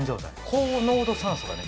高濃度酸素がね